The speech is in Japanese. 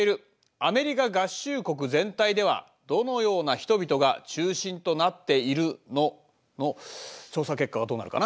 アメリカ合衆国全体ではどのような人々が中心となっているの？」の調査結果はどうなるかな？